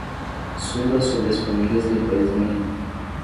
Suba sobre as formigas depois de amanhã